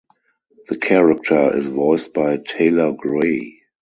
The character is voiced by Taylor Gray.